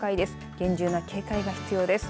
厳重な警戒が必要です。